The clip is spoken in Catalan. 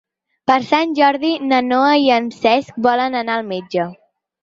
Per Sant Jordi na Noa i en Cesc volen anar al metge.